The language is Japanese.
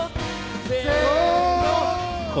せの。